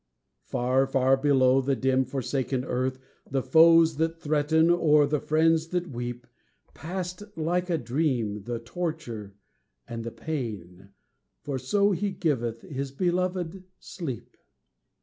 Far, far below, the dim, forsaken earth, The foes that threaten, or the friends that weep; Past, like a dream, the torture and the pain: For so He giveth his beloved sleep.